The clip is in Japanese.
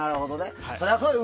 そりゃそうだよね